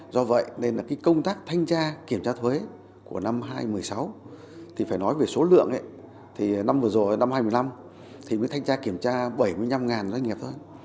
do vậy nên là cái công tác thanh tra kiểm tra thuế của năm hai nghìn một mươi sáu thì phải nói về số lượng thì năm vừa rồi năm hai nghìn một mươi năm thì mới thanh tra kiểm tra bảy mươi năm doanh nghiệp hơn